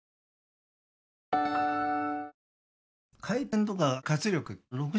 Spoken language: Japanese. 回転とか活力